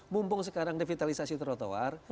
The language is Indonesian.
mumpung sekarang revitalisasi trotoar